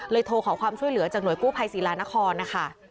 โทรขอความช่วยเหลือจากหน่วยกู้ภัยศิลานครนะคะ